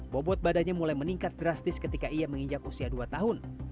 bobot badannya mulai meningkat drastis ketika ia menginjak usia dua tahun